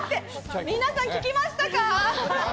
皆さん聞きましたか？